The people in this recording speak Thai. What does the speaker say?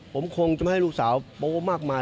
ผมคงจะไม่ให้ลูกสาวโป๊มากมาย